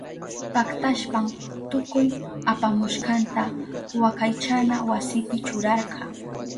Paktashpan tukuy apamushkanta wakaychana wasipi churarka.